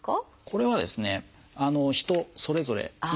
これはですね人それぞれになります。